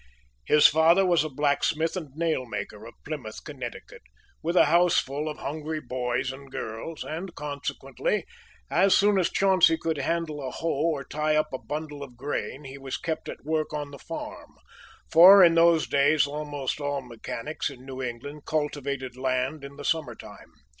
His father was a blacksmith and nailmaker, of Plymouth, Connecticut, with a houseful of hungry boys and girls; and, consequently, as soon as Chauncey could handle a hoe or tie up a bundle of grain he was kept at work on the farm; for, in those days, almost all mechanics in New England cultivated land in the summer time.